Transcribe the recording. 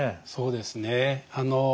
そうですね。